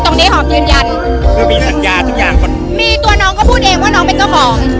หอมยืนยันคือมีสัญญาทุกอย่างคนมีตัวน้องก็พูดเองว่าน้องเป็นเจ้าของ